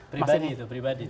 pribadi itu pribadi